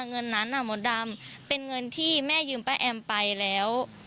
เงินนั้นน่ะมดดำเป็นเงินที่แม่ยืมป้าแอมไปแล้ว